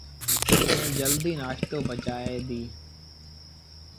ائيٚݩ جلديٚ نآستو پچائيٚݩ ديٚݩ۔